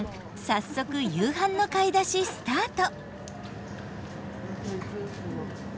早速夕飯の買い出しスタート！